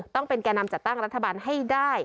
ต้องเป็นแก่นำจัดตั้งรัฐบาลให้ได้